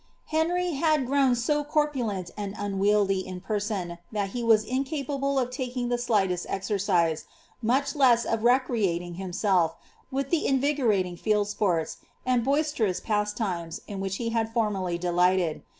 Htnry had grown so corpulent and unwieldy in peraon. thai he wm iMipable of taking the slightest exercise, much less of recreating him *rif with the iniigoiating field sports, and boisterous pastimes, in which It had formerly delighted.